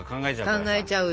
考えちゃう。